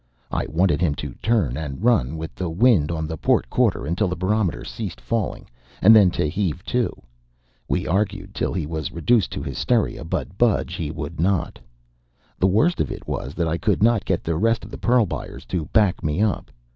I wanted him to turn and run with the wind on the port quarter until the barometer ceased falling, and then to heave to. We argued till he was reduced to hysteria, but budge he would not. The worst of it was that I could not get the rest of the pearl buyers to back me up.